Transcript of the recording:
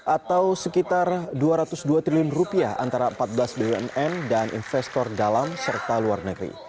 atau sekitar dua ratus dua triliun rupiah antara empat belas bumn dan investor dalam serta luar negeri